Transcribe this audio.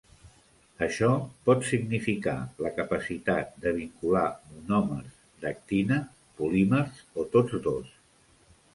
Això pot significar la capacitat de vincular monòmers d"actina, polímers o tots dos.